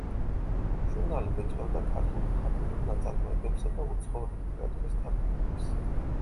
ჟურნალი ბეჭდავდა ქართულ მხატვრულ ნაწარმოებებსა და უცხოური ლიტერატურის თარგმანებს.